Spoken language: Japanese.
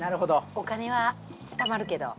お金は貯まるけど。